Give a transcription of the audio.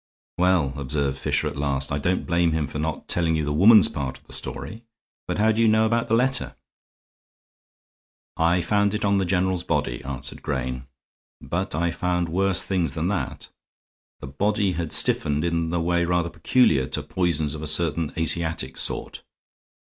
"Well," observed Fisher, at last, "I don't blame him for not telling you the woman's part of the story. But how do you know about the letter?" "I found it on the general's body," answered Grayne, "but I found worse things than that. The body had stiffened in the way rather peculiar to poisons of a certain Asiatic sort.